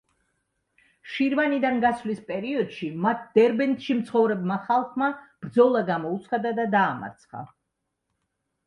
შირვანიდან გასვლის პერიოდში, მათ დერბენტში მცხოვრებმა ხალხმა ბრძოლა გამოუცხადა და დაამარცხა.